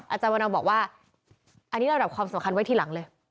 อาจารย์วันนอมบอกว่าอันนี้ระดับความสำคัญไว้ทีหลังเลย